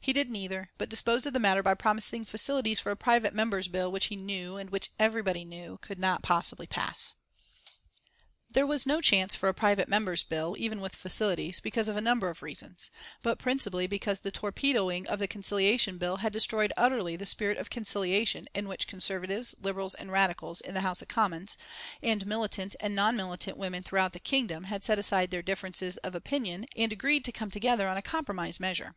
He did neither, but disposed of the matter by promising facilities for a private member's bill which he knew, and which everybody knew, could not possibly pass. There was no chance for a private member's bill, even with facilities, because of a number of reasons, but principally because the torpedoing of the Conciliation Bill had destroyed utterly the spirit of conciliation in which Conservatives, Liberals and Radicals in the House of Commons, and militant and non militant women throughout the Kingdom had set aside their differences of opinion and agreed to come together on a compromise measure.